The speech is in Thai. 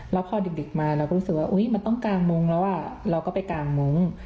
แล้วพอดึกมาเราก็รู้สึกว่ามันต้องกางมุ้งแล้วเราก็ไปกางมุ้ง